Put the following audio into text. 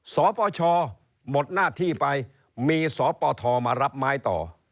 สปชหมดหน้าที่ไปมีสปทมารับไม้ต่อ